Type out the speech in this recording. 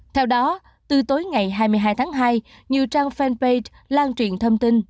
theo đó từ tối ngày hai mươi hai tháng hai nhiều trang fanpage lan truyền thông tin